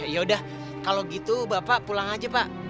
yaudah kalau gitu bapak pulang aja pak